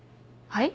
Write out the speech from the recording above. はい？